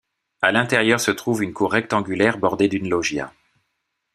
À l'intérieur se trouve une cour rectangulaire bordée d'une loggia.